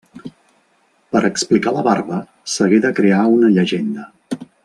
Per explicar la barba, s'hagué de crear una llegenda.